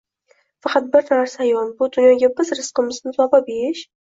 Faqat bir narsa ayon: bu dunyoga biz rizqimizni topib yeyish